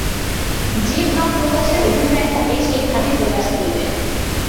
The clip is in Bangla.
যে-ভাব প্রকাশের অভিপ্রায় থাকে, সেই ভাবই প্রকাশ করিবে।